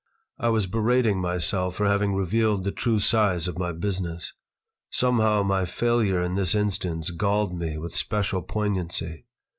I was berating myself for having revealed the true size of my business. Somehow my failure in this instance galled me with special poignancy.